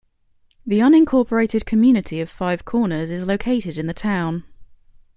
The unincorporated community of Five Corners is located in the town.